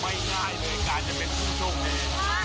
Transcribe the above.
ง่ายเลยการจะเป็นผู้โชคดี